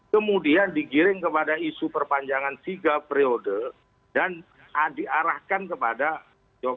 kemudian digiring kepada isu perpanjangan tiga periode dan diarahkan kepada jokowi